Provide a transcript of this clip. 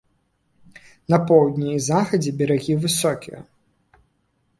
На поўдні і захадзе берагі высокія.